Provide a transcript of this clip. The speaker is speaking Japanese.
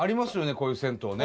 こういう銭湯ね。